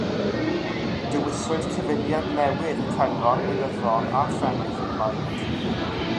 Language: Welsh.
Dewiswyd cyfuniad newydd y Cyngor Gwleidyddol a Phennaeth y Blaid.